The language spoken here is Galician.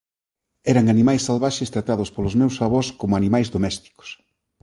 Eran animais salvaxes tratados polos meus avós coma animais domésticos.